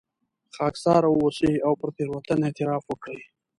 خاکساره واوسئ او پر تېروتنه اعتراف وکړئ.